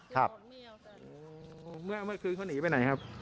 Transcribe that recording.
ครับมื้อเมื่อคืนเขาหนีไปไหนครับ